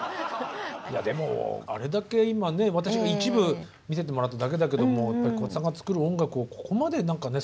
でもあれだけ今ね私も一部見せてもらっただけだけども桑田さんが作る音楽をここまで何かね